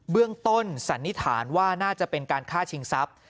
เบื้องต้นสันนิษฐานว่าน่าจะเป็นการฆ่าชิงทรัพย์